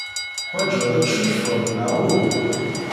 Teḥwajeḍ ad teccucfeḍ, neɣ uhu?